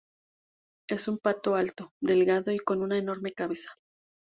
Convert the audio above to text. Es un pato alto, delgado y con una enorme cabeza.